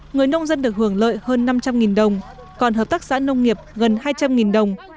người nông dân được hưởng lợi hơn năm trăm linh đồng còn hợp tác xã nông nghiệp gần hai trăm linh đồng